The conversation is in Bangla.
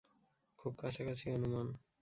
খুব কাছাকাছি অনুমান।